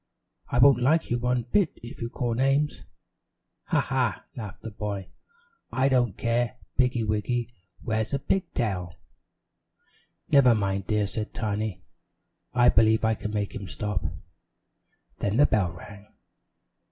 I won't like you one bit if you call names." "Ha, ha!" laughed the boy. "I don't care! Piggy wiggy wears a pig tail." "Never mind, dear," said Tiny. "I believe I can make him stop." Then the bell rang.